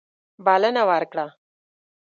بلنه ورکړه.